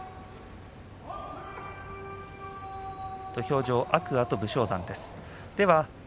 土俵上は天空海と武将山です。